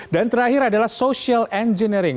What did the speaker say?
dan terakhir adalah social engineering